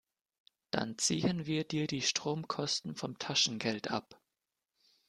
Dann ziehen wir dir die Stromkosten vom Taschengeld ab.